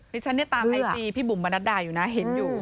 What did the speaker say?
ฉันเนี่ยตามไอจีพี่บุ๋มมนัดดาอยู่นะเห็นอยู่